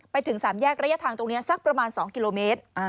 ไปถึง๓แยกระยะทางตรงนี้สักประมาณ๒กิโลเมตร